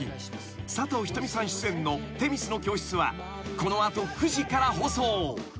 ［佐藤仁美さん出演の『女神の教室』はこの後９時から放送］